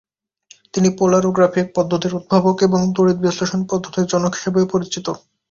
তিনি পোলারোগ্রাফিক পদ্ধতির উদ্ভাবক এবং তড়িৎবিশ্লেষণ পদ্ধতির জনক হিসেবেও পরিচিত।